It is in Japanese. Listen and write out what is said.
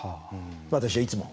私はいつも。